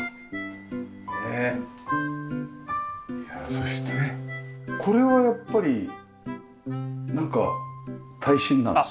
そしてこれはやっぱりなんか耐震なんですか？